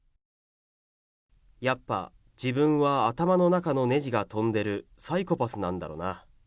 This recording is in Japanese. やっぱ自分は頭の中のねじが飛んでるサイコパスなんだろな。